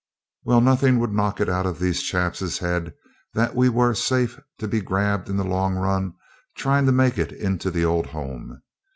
Well, nothing would knock it out of these chaps' heads but that we were safe to be grabbed in the long run trying to make into the old home.